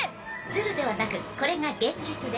ズルではなくこれが現実です。